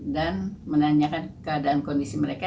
dan menanyakan keadaan kondisi mereka